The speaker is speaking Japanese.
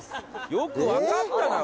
よく分かったなおい。